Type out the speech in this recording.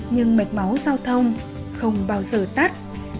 nhưng mệt máu giao thông không bao giờ tắt